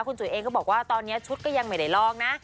คุณจุ๋ยเองก็บอกว่าตอนนี้ชุดก็ยังไม่ได้ลองนะ